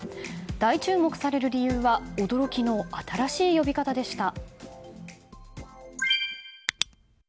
大注目される理由は驚きの新しい呼び方でした。